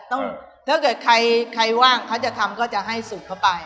ถ้าเกิดใครว่างเขาจะทำก็จะให้สูตรเข้าไป